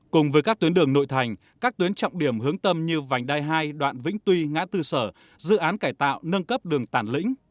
cùng với các tuyến đường nội thành các tuyến trọng điểm hướng tâm như vành đai hai đoạn vĩnh tuy ngã tư sở dự án cải tạo nâng cấp đường tản lĩnh